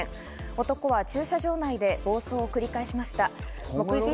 男は駐車場内で暴走を繰り返しました。